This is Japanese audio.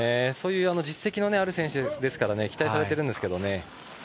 実績のある選手ですから期待されているんですけどね。